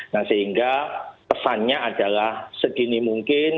nah sehingga pesannya adalah segini mungkin